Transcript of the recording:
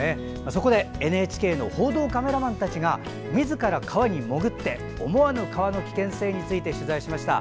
そこでＮＨＫの報道カメラマンたちがみずから川に潜って思わぬ川の危険性について取材しました。